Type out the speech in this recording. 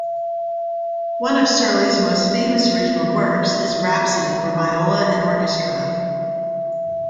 One of Serly's most famous original works is "Rhapsody for Viola and Orchestra".